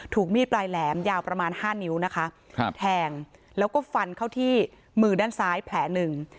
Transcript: มีดปลายแหลมยาวประมาณ๕นิ้วนะคะครับแทงแล้วก็ฟันเข้าที่มือด้านซ้ายแผลหนึ่ง